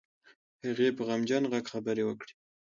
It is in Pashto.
هغې په غمجن غږ خبرې وکړې.